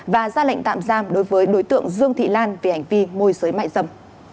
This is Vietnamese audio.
và ra lệnh tạm giam đối với đối tượng dương thị lan về hành vi môi giới mại dâm